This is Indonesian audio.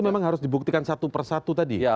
memang harus dibuktikan satu per satu tadi